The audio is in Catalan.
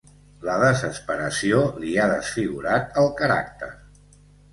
La desesperació li ha desfigurat el caràcter.